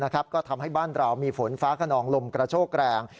ก็ทำให้บ้านเรามีฝนฟ้าขนองลมกระโชกแรง